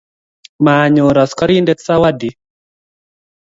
Manyor askarindet sawadi.